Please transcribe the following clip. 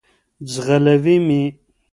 ځغلوی مي .